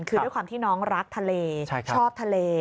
คือด้วยความที่น้องรักทะเลชอบทะเล